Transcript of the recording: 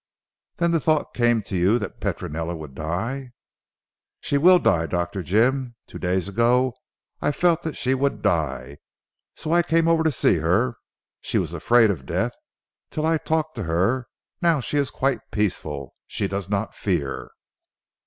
"Then the thought came to you that Petronella would die?" "She will die Dr. Jim. Two days ago I felt that she would die. So I came over to see her. She was afraid of death, till I talked to her. Now she is quite peaceful. She does not fear."